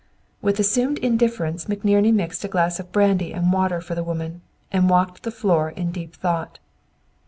With assumed indifference, McNerney mixed a glass of brandy and water for the woman, and walked the floor in deep thought.